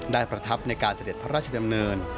ประทับในการเสด็จพระราชดำเนิน